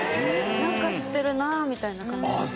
なんか知ってるなみたいな感じですね。